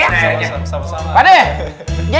sama sama sama padel ya